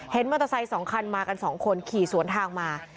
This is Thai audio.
เห็นมอเตอร์ไซส์สองคันมากันสองคนขี่สวนทางมา